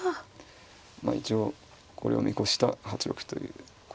まあ一応これを見越した８六歩ということだったんですね。